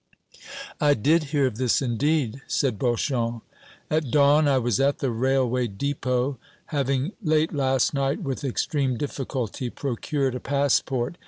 "I did hear of this, indeed," said Beauchamp. "At dawn I was at the railway dépôt, having late last night, with extreme difficulty, procured a passport.